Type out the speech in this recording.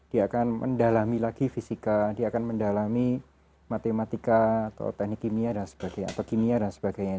dia akan mendalami lagi fisika dia akan mendalami matematika atau teknik kimia dan sebagainya